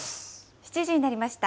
７時になりました。